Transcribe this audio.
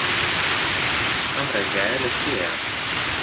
ئەم ڕێگایە لەکوێیە؟